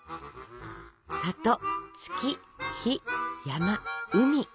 「里」「月」「日」「山」「海」